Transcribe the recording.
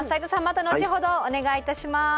また後ほどお願いいたします。